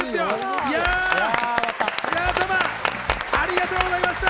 いや、皆様ありがとうございました。